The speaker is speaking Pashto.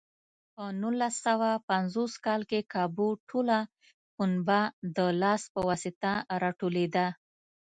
په نولس سوه پنځوس کال کې کابو ټوله پنبه د لاس په واسطه راټولېده.